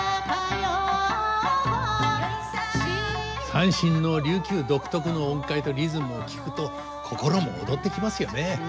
三線の琉球独特の音階とリズムを聴くと心も躍ってきますよね。